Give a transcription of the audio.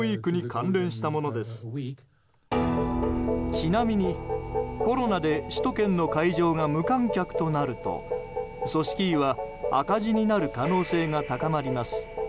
ちなみに、コロナで首都圏の会場が無観客となると、組織委は赤字になる可能性が高まります。